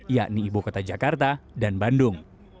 yakni ibu kota jakarta dan bandung